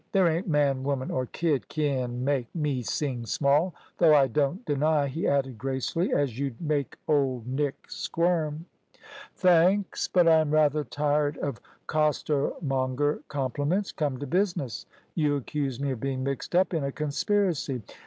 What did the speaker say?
"There ain't man, woman, or kid kin make me sing small. Though I don't deny," he added gracefully, "as you'd make Old Nick squirm." "Thanks, but I am rather tired of costermonger compliments. Come to business. You accuse me of being mixed up in a conspiracy?"